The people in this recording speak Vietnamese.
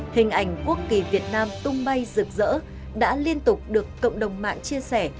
hình ảnh quốc kỳ việt nam tung bay rực rỡ đã liên tục được cộng đồng mạng chia sẻ